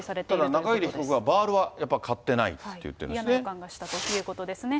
ただ、中桐被告は、バールはやっぱり買ってないって言ってま嫌な予感がしたということですね。